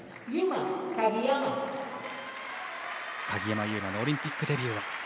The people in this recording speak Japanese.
鍵山優真のオリンピックデビュー。